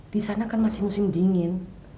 disana kan masih musim dingin